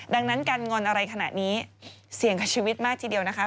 ดังนั้นการงอนอะไรขนาดนี้เสี่ยงกับชีวิตมากทีเดียวนะคะ